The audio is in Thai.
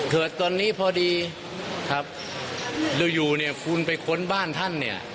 เกิดตอนนี้พอดีครับอยู่อยู่เนี่ยคุณไปค้นบ้านท่านเนี่ย